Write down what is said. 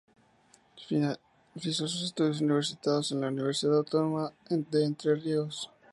Finalizó sus estudios universitarios en la Universidad Autónoma de Entre Ríos.